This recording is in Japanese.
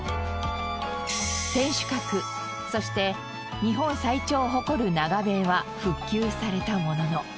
天守閣そして日本最長を誇る長塀は復旧されたものの。